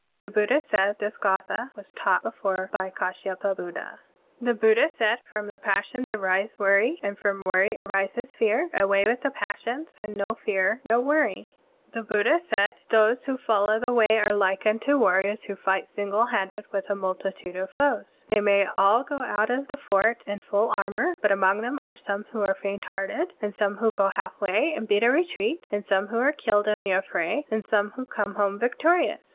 The Buddha said, this githi was taught before by KSshyapabuddha. (32) The Buddha said: "From the passions arise worry, and from worry arises fear. Away with the passions, and no fear, no worry. (33) The Buddha said: "Those who follow ^Matt. V, 29 and 30. Digitized by Google THE SUTRA OF FORTY TWO CHAPTERS 1 7 the Way are like tuito warriors who fight single handed with a multitude of foes. They may all go out of the^fort in full armor; but among them are some who are faint hearted, and some who go halfway and beat a retreat, and some who are killed in the affray, and some who come home victorious.